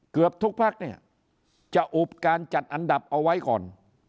เกือบทุกพักเนี่ยจะอุบการจัดอันดับเอาไว้ก่อน